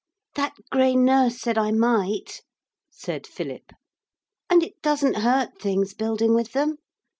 'That grey nurse said I might,' said Philip, 'and it doesn't hurt things building with them.